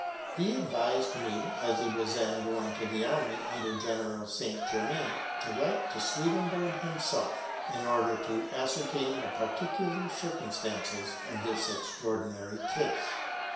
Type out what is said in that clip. He advised me, as he was then going to the army under General St. Germain, to write to Swedenborg himself, in order to ascertain the particular circumstances of this extraordinary case.